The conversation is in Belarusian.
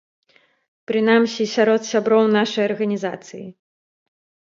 Прынамсі сярод сяброў нашай арганізацыі.